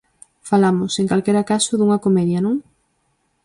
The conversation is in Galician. Falamos, en calquera caso, dunha comedia, non?